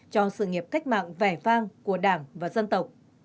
cho sự nghiệp cách mạng vẻ vang của đảng và dân tộc